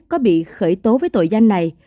có bị khởi tố với tội gian này